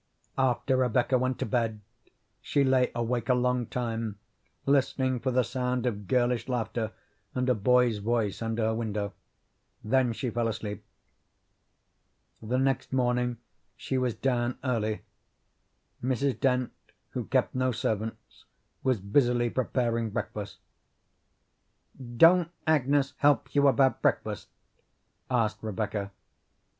After Rebecca went to bed, she lay awake a long time listening for the sound of girlish laughter and a boy's voice under her window; then she fell asleep. The next morning she was down early. Mrs. Dent, who kept no servants, was busily preparing breakfast. "Don't Agnes help you about breakfast?" asked Rebecca.